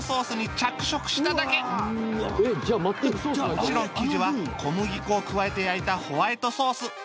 もちろん生地は小麦粉を加えて焼いたホワイトソース